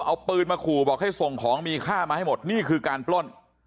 เอาปืนมาขู่บอกให้ส่งของมีค่ามาให้หมดนี่คือการปล้น